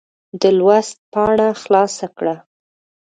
د لوست پاڼه خلاصه کړه.